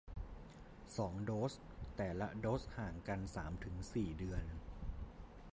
สองโดส แต่ละโดสห่างกันสามถึงสี่เดือน